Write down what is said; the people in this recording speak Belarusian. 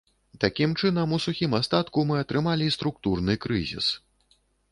Такім чынам, у сухім астатку мы атрымалі структурны крызіс.